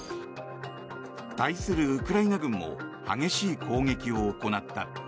対するウクライナ軍も激しい攻撃を行った。